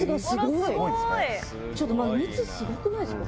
ちょっと蜜すごくないですか？